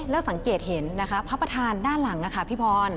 แล้วสังเกตเห็นพระพระธานด้านหลังนะคะพี่พร